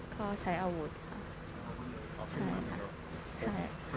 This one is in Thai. เขาใช้อาวุธค่ะ